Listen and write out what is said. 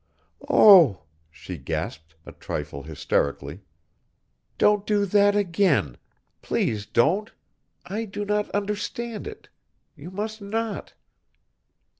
"Oh!" she gasped, a trifle hysterically. "Don't do that again! Please don't. I do not understand it! You must not!"